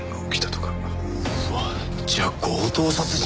うわっじゃあ強盗殺人？